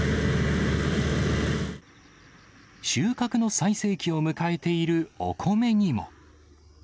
収穫の最盛期を迎えているお米にも。